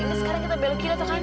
sekarang kita belok kiri atau kanan